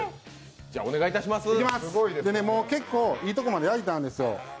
結構いいとこまで焼いたんですよ。